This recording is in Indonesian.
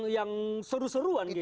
yang seru seruan gitu ya